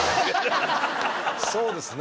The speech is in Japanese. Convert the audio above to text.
そうですね。